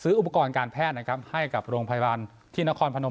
ซื้ออุปกรณ์การแพทย์ให้กับโรงพยาบาลที่นะครพนม